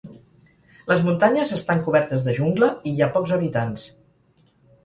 Les muntanyes estan cobertes de jungla i hi ha pocs habitants.